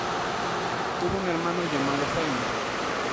Tuvo un hermano, llamado Jaime.